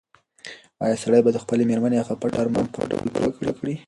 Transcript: ایا سړی به د خپلې مېرمنې هغه پټ ارمان په پوره ډول پوره کړي؟